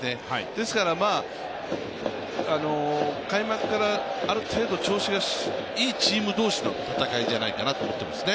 ですから、開幕からある程度調子がいいチーム同士の戦いじゃないかなと思っていますね。